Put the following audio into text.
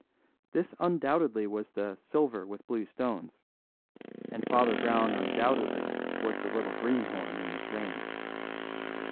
This undoubtedly was the "silver with blue stones"; and Father Brown undoubtedly was the little greenhorn in the train.